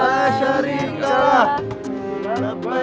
hanya di sini lihat dulu deh bu bapak